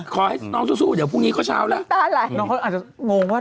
ขอให้น้องสู้เดี๋ยวพรุ่งนี้ก็เช้าแล้ว